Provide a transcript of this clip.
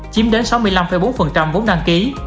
chiếm đến sáu mươi năm bốn vốn đăng ký